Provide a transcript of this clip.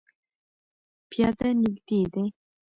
پیاده نږدې دی